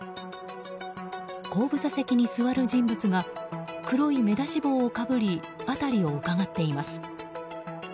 後部座席に座る人物が黒い目出し帽をかぶり辺りをうかがっています。